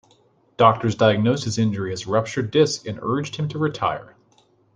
Doctors diagnosed his injury as a ruptured disc and urged him to retire.